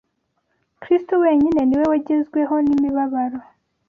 Kristo wenyine ni we wagezweho n’imibabaro